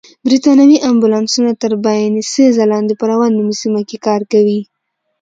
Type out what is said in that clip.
بریتانوي امبولانسونه تر باینسېزا لاندې په راون نومي سیمه کې کار کوي.